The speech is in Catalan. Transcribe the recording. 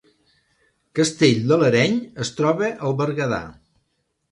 Castell de l’Areny es troba al Berguedà